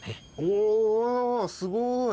おおすごい。